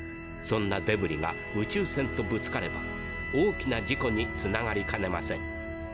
そんなデブリが宇宙船とぶつかれば大きな事故につながりかねません。